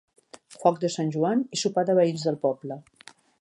Foc de Sant Joan i sopar de veïns del poble.